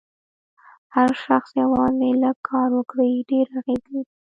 هر شخص یوازې لږ کار وکړي ډېر اغېز لري.